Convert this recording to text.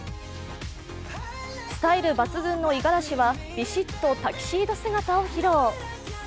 スタイル抜群の五十嵐はビシッとタキシード姿を披露。